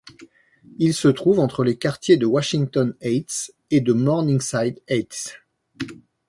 Il se trouve entre les quartiers de Washington Heights et de Morningside Heights.